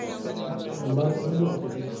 د مرګ نومونه ږدي